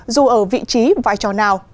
dù ở vị trí vai trò nào